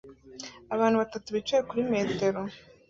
Abantu batatu bicaye kuri metero